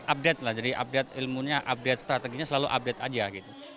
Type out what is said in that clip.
update lah jadi update ilmunya update strateginya selalu update aja gitu